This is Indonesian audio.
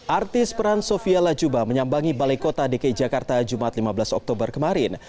artis peran sofia lajuba menyambangi balai kota dki jakarta jumat lima belas oktober kemarin